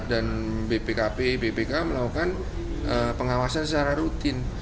bpkp bpk melakukan pengawasan secara rutin